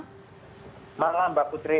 selamat malam mbak putri